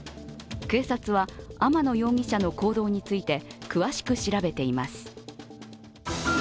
警察は、天野容疑者の行動について詳しく調べています。